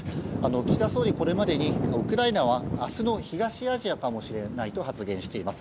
岸田総理はこれまでウクライナは明日の東アジアかもしれないと発言しています。